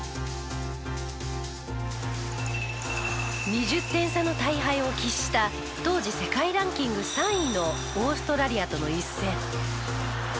２０点差の大敗を喫した当時世界ランキング３位のオーストラリアとの一戦。